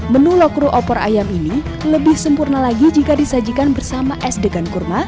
menu lokru opor ayam ini lebih sempurna lagi jika disajikan bersama es degan kurma